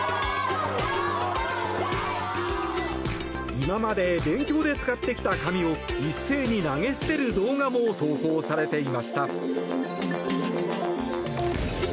今まで勉強で使ってきた紙を一斉に投げ捨てる動画も投稿されていました。